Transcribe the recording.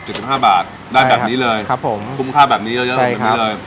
เจ็ดสิบห้าบาทได้แบบนี้เลยครับผมคุ้มค่าแบบนี้เยอะเยอะแบบนี้เลยใช่ครับ